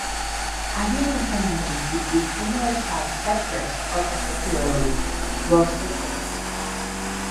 Ideal companions would be similar sized tetras or particularly, dwarf cichlids.